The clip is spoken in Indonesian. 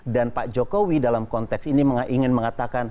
dan pak jokowi dalam konteks ini ingin mengatakan